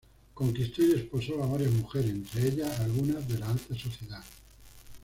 Conquistó y desposó a varias mujeres, entre ellas algunas de la alta sociedad.